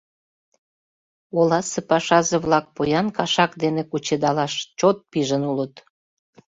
Оласе пашазе-влак поян кашак дене кучедалаш чот пижын улыт.